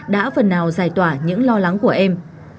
đã phần nào giải tỏa những lo lắng của em